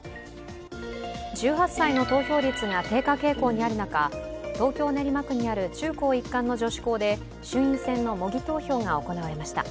１８歳の投票率が低下傾向にある中、東京・練馬区にある中高一貫の女子校で衆院選の模擬投票が行われました。